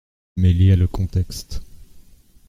Mais il y a le contexte.